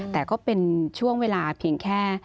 แต่ก็เป็นช่วงเวลาเพียงแค่